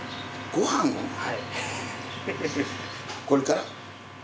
これから。